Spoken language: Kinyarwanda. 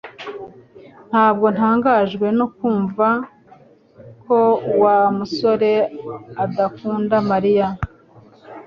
Ntabwo ntangajwe no kumva ko Wa musore adakunda Mariya